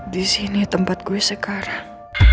disini tempat gue sekarang